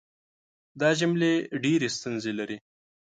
دا جملې ډېرې ستونزې لري.